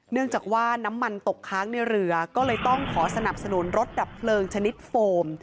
เนื่องจากว่าน้ำมันตกค้างในเรือก็เลยต้องขอสนับสนุนรถดับเพลิงชนิดโฟม